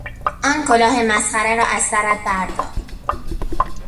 آن کلاه مسخره را از سرت بردار!